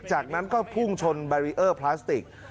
จากนั้นก็พุ่งชนแบรีเออร์พลาสติก